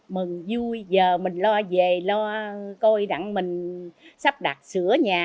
mừng vui giờ mình lo về lo coi đặng mình sắp đặt sửa nhà